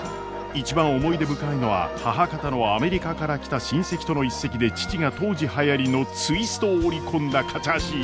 一番思い出深いのは母方のアメリカから来た親戚との一席で父が当時はやりのツイストを織り込んだカチャーシー。